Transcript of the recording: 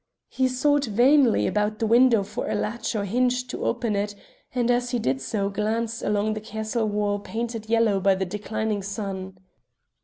He sought vainly about the window for latch or hinge to open it, and as he did so glanced along the castle wall painted yellow by the declining sun.